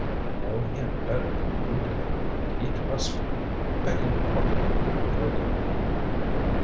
I know him better than you do, and he trusts me begging your pardon further."